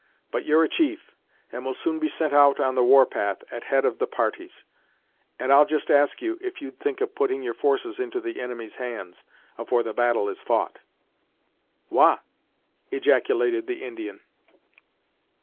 But you're a chief, and will soon be sent out on the war path at head of the parties, and I'll just ask if you'd think of putting your forces into the inimy's hands, afore the battle is fou't?" "Wah!" ejaculated the Indian.